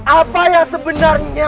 apa yang sebenarnya